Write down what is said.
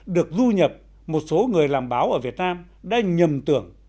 được du nhập một số người làm báo ở việt nam đã nhầm tưởng